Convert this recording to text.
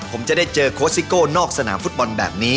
ผมจะได้เจอโค้ชซิโก้อกสนามฟุตบอลแบบนี้